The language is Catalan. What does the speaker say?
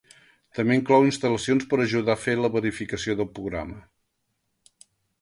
També inclou instal·lacions per ajudar a fer la verificació del programa.